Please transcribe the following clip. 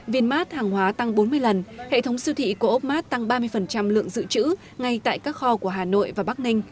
viên mát hàng hóa tăng bốn mươi lần hệ thống siêu thị của ốc mát tăng ba mươi lượng dự trữ ngay tại các kho của hà nội và bắc ninh